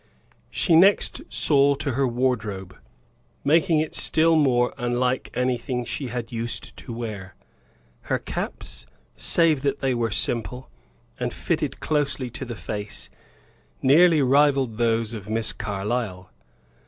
She next saw to her wardrobe, making it still more unlike anything she had used to wear; her caps, save that they were simple, and fitted closely to the face, nearly rivaled those of Miss Carlyle.